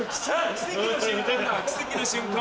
奇跡の瞬間。